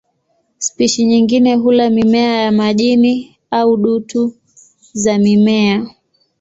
Spishi nyingine hula mimea ya majini au dutu za mimea.